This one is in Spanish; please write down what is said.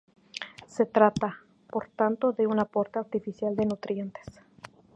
Se trata, por tanto, de un aporte artificial de nutrientes.